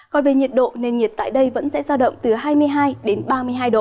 còn về nhiệt độ nền nhiệt tại đây vẫn sẽ giao động từ hai mươi hai đến ba mươi hai độ